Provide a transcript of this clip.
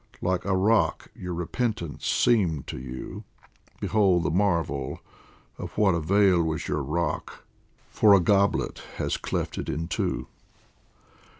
Like a rock your repentance seemed to you ; Behold the marvel ! of what avail Was your rock, for a goblet has cleft it in two